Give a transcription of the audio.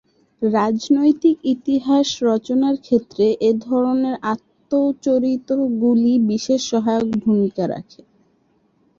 রাজনৈতিক ইতিহাস রচনার ক্ষেত্রে এ ধরনের আত্মচরিতগুলি বিশেষ সহায়ক ভূমিকা রাখে।